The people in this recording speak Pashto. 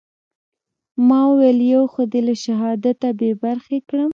ما وويل يو خو دې له شهادته بې برخې کړم.